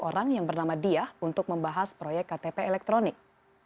orang yang bernama dia untuk membahas proyek ktp elektronik